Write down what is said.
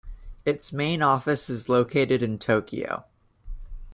Its main office is located in Tokyo.